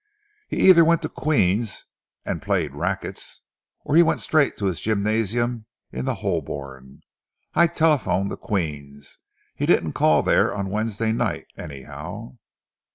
"He either went to Queen's and played racquets, or he went straight to his gymnasium in the Holborn. I telephoned to Queen's. He didn't call there on the Wednesday night, anyhow."